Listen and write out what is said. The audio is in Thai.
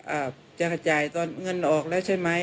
อาจจะจ่ายตอนเงินออกแล้วใช่ไหม